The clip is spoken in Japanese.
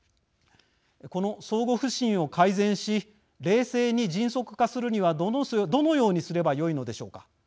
この相互不信を改善し冷静に迅速化するにはどのようにすればよいのでしょうか。